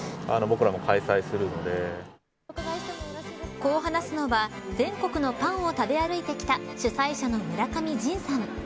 こう話すのは全国のパンを食べ歩いてきた主催者の村上仁さん。